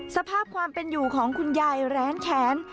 สภาพความเป็นอยู่ของคุณยายแร้นแขน